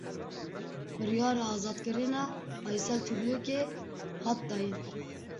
Biryara azadkirina Aysel Tuglukê hat dayîn.